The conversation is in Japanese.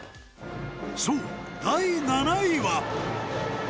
そう第７位は。